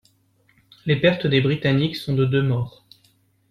Les pertes des britanniques sont de deux morts.